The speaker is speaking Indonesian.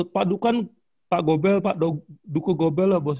pak dukan pak goebel pak duko goebel lah bos